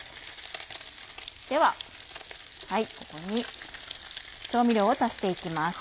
ではここに調味料を足して行きます。